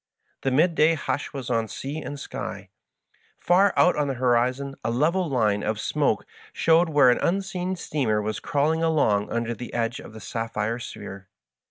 The midday hush was on sea and sky. Far out on the horizon a level line of smoke showed where an unseen steamer was crawling along under the edge of the sapphire sphere.